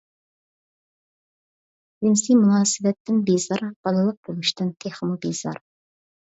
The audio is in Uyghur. جىنسىي مۇناسىۋەتتىن بىزار، بالىلىق بولۇشتىن تېخىمۇ بىزار.